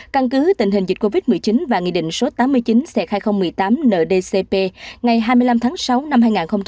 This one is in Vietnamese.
căn cứ tình hình dịch covid một mươi chín và nghị định số tám mươi chín c hai nghìn một mươi tám ndcp ngày hai mươi năm tháng sáu năm hai nghìn một mươi chín